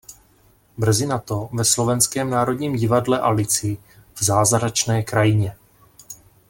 Brzy nato ve Slovenském národním divadle Alici v "Zázračné krajině".